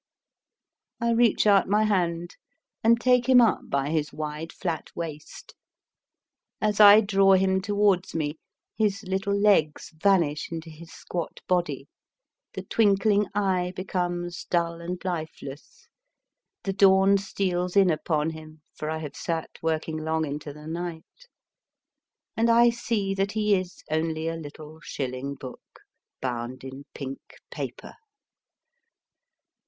I reach out my hand, and take him up by his wide, flat waist. As I draw him towards me, his little legs vanish into his squat body, the twinkling eye becomes dull and lifeless. The dawn steals in upon him, for I have sat working long into the night, and I see that he is only a little shilling book bound in pink paper.